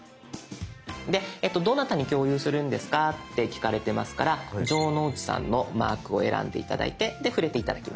どなたに共有するんですか？って聞かれてますから城之内さんのマークを選んで頂いてで触れて頂きます。